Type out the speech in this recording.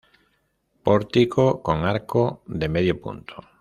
Pórtico, con arco de medio punto.